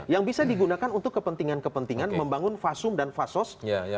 yang bisa digunakan untuk kepentingan kepentingan membangun fasum dan fasos